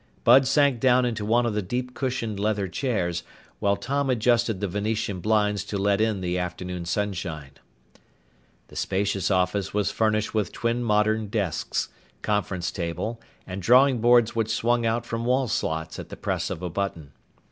Bud sank down into one of the deep cushioned leather chairs, while Tom adjusted the Venetian blinds to let in the afternoon sunshine. The spacious office was furnished with twin modern desks, conference table, and drawing boards which swung out from wall slots at the press of a button.